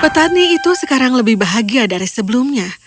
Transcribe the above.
petani itu sekarang lebih bahagia dari sebelumnya